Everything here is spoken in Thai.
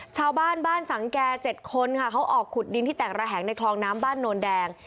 ชาวบ้านบ้านสังแก่๗คนค่ะเขาออกขุดดินที่แตกระแหงในคลองน้ำบ้านโนนแดง